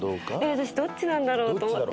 私どっちなんだろうと思って。